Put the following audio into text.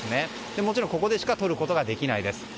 もちろんここでしかとることができないです。